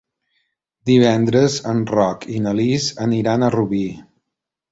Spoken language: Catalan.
Divendres en Roc i na Lis aniran a Rubí.